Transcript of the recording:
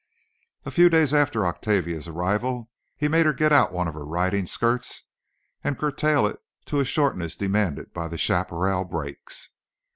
A few days after Octavia's arrival he made her get out one of her riding skirts, and curtail it to a shortness demanded by the chaparral brakes.